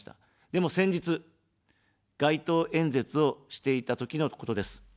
でも、先日、街頭演説をしていたときのことです。